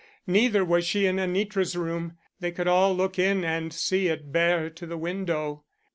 Neither was she in Anitra's room. They could all look in and see it bare to the window.